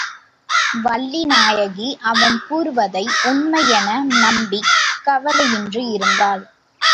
வள்ளிநாயகி அவன் கூறுவதை உண்மையென நம்பிக் கவலையின்றி இருந்தாள்.